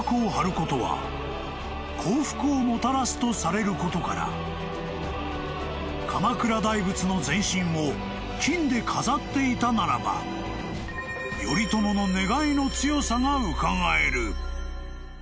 ［とされることから鎌倉大仏の全身を金で飾っていたならば頼朝の願いの強さがうかがえる］